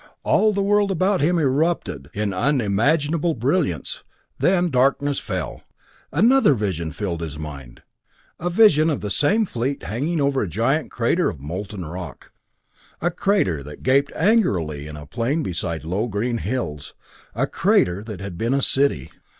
All the world about him erupted in unimaginable brilliance; then darkness fell. Another vision filled his mind a vision of the same fleet hanging over a giant crater of molten rock, a crater that gaped angrily in a plain beside low green hills a crater that had been a city.